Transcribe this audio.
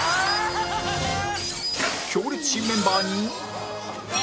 強烈新メンバーに